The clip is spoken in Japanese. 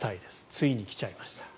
ついに来ちゃいました。